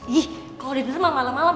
ih kalo dinner mah malam malam